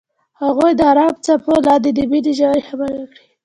هغوی د آرام څپو لاندې د مینې ژورې خبرې وکړې.